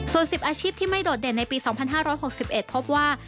ส่วน๑๐อาชีพที่ไม่โดดเด่นในปี๒๕๖๑พบว่า